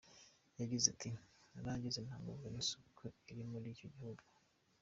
Yagize ati “Narahageze ntangazwa n’isuku iri muri icyo gihugu.